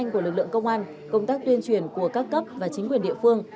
công tác tuyên truyền của lực lượng công an công tác tuyên truyền của các cấp và chính quyền địa phương